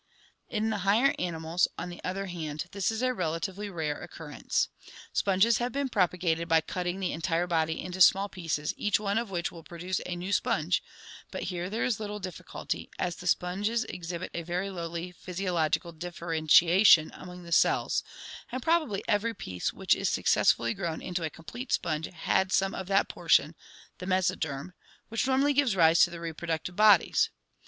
In the higher animals, on the other hand, this is a relatively rare occurrence. Sponges have been propagated by cutting the entire body into small pieces each one of which will produce a new sponge, but here there is little dif ficulty, as the sponges exhibit a very lowly physiological differen tiation among the cells and probably every piece which is success fully grown into a complete sponge had some of that portion, the mesoderm, which normally gives rise to the reproductive bodies.